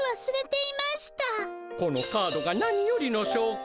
このカードが何よりのしょうこ。